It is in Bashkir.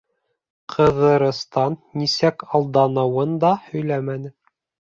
Ҡыҙырастан нисек алданыуын да һөйләмәне.